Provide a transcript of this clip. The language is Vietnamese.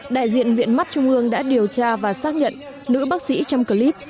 đại diện bệnh viện mắt trung ương đã điều tra và xác nhận nữ bác sĩ trong clip